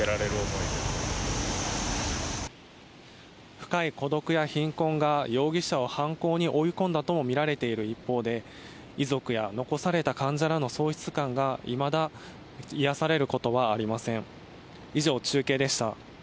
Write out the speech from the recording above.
深い孤独や貧困が容疑者を犯行に追い込んだともみられている一方で、遺族や残された患者らの喪失感がいまだ癒やされることはありません。